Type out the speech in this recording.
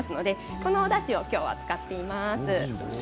このおだしを今日は使っています。